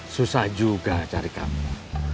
susah juga cari kamu